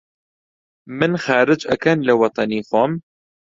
من خارج ئەکەن لە وەتەنی خۆم!؟